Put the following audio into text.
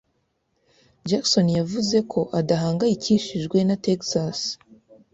Jackson yavuze ko adahangayikishijwe na Texas.